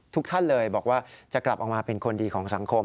ทุกท่านเลยบอกว่าจะกลับออกมาเป็นคนดีของสังคม